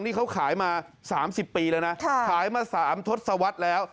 นี่เขาขายมา๓๐ปีแล้วนะขายมา๓ทศวรรษแล้ว